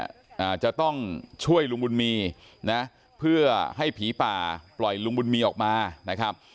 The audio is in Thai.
อ่าจะต้องช่วยลุงบุญมีนะเพื่อให้ผีป่าปล่อยลุงบุญมีออกมานะครับ